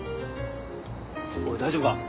おい大丈夫か？